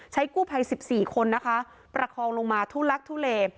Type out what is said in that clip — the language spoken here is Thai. กู้ภัย๑๔คนนะคะประคองลงมาทุลักทุเล